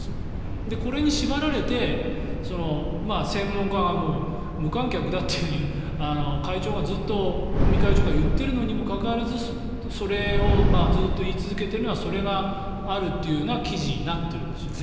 これに縛られて専門家が無観客だとずっと尾身会長が言っているにもかかわらずそれをずっと言い続けているのはそれがあるという記事になってるんですね。